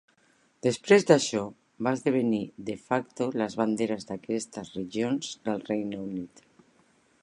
Després d'això, va esdevenir "de facto" les banderes d'aquestes regions del Regne Unit.